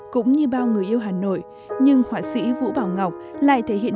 cũng như bao người yêu hà nội nhưng họa sĩ vũ bảo ngọc lại thể hiện